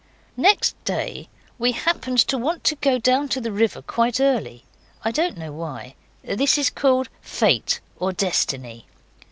Next day we happened to want to go down to the river quite early. I don't know why; this is called Fate, or Destiny.